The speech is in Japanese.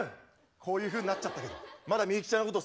こういうふうになっちゃったけどまだみゆきちゃんのこと好きなの？